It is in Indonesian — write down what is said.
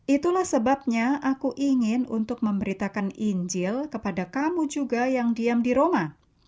itulah sebabnya aku ingin untuk memberitakan injil kepada kamu juga yang diam di roma